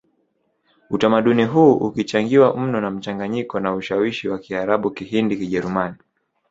Utamaduni huu ukichangiwa mno na mchanganyiko na ushawishi wa Kiarabu Kihindi Kijerumani